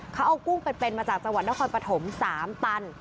เขาเอากุ้งเป็นมาจากจังหวัดนครปฐม๓ตัน